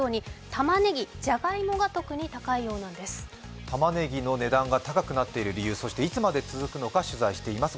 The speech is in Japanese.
たまねぎの値段が高くなっている理由、そしていつまで続くのか取材しています。